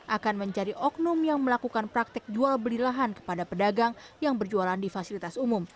akan mencari oknum yang melakukan praktek jual beli lahan kepada pedagang yang berjualan di fasilitas umum